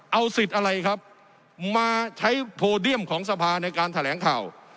เอาสิทธิ์อะไรครับมาใช้โพเดียมของสภาในการแถลงข่าว